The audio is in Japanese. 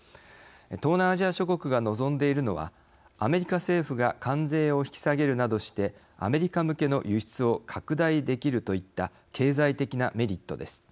東南アジア諸国が望んでいるのはアメリカ政府が関税を引き下げるなどしてアメリカ向けの輸出を拡大できるといった経済的なメリットです。